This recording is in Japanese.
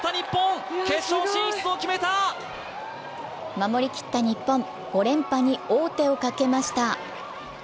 守り切った日本、５連覇に王手をかけました。